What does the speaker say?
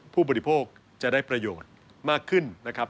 ผู้บริโภคจะได้ประโยชน์มากขึ้นนะครับ